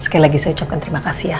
sekali lagi saya ucapkan terima kasih ya